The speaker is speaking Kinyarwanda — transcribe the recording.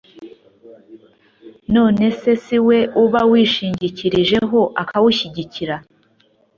none se si we uba wishingikirijeho akawushyigikira